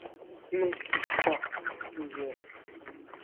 Non pas, une lionne !